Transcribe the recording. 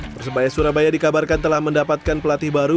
persebaya surabaya dikabarkan telah mendapatkan pelatih baru